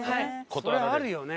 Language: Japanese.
それはあるよね。